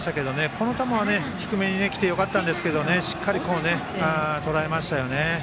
この球は低めにきてよかったんですけどしっかりとらえましたよね。